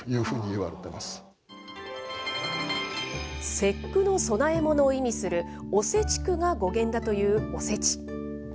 節句の供え物を意味する、御節供が語源だというおせち。